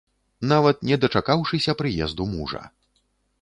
Нават не дачакаўшыся прыезду мужа.